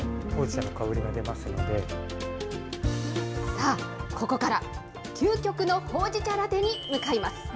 さあ、ここから、究極のほうじ茶ラテに向かいます。